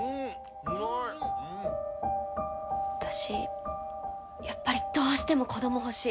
私、やっぱりどうしても子ども欲しい。